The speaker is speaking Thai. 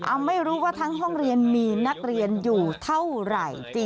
เอาไม่รู้ว่าทั้งห้องเรียนมีนักเรียนอยู่เท่าไหร่